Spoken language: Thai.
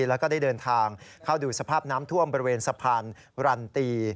แล้วก็ได้เดินทางเข้าดูสภาพน้ำท่วมบริเวณสะพานรันตี